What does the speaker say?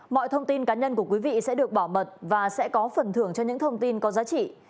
mọi thông tin cá nhân của quý vị sẽ được bảo mật và sẽ có phần thưởng cho những thông tin có giá trị